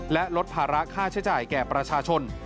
และลดภาระค่าใช้จ่ายแก่ประชาชน